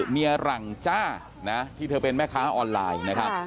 หลังจ้านะที่เธอเป็นแม่ค้าออนไลน์นะครับ